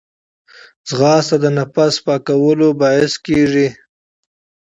ځغاسته د نفس پاکوالي باعث کېږي